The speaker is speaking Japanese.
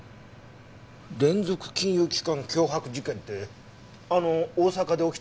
連続金融機関脅迫事件ってあの大阪で起きたやつ？